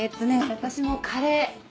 私もカレー。